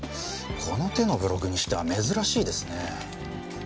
この手のブログにしては珍しいですね。